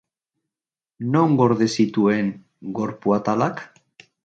Non gorde zituen gorpu atalak?